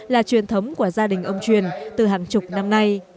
là truyền thống của gia đình ông truyền từ hàng chục năm nay